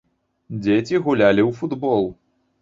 Дзеці гулялі ў футбол.